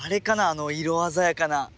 あの色鮮やかな。